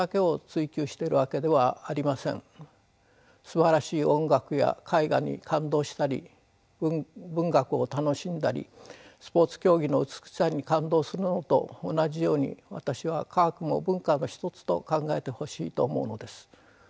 すばらしい音楽や絵画に感動したり文学を楽しんだりスポーツ競技の美しさに感動するのと同じように私は科学も文化の一つと考えてほしいと思うのです。